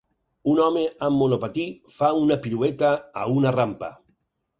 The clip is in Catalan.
Un home amb monopatí fa una pirueta a una rampa.